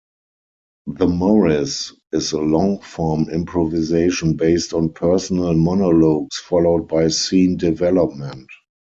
"The Morris" is long-form improvisation based on personal monologues followed by scene development.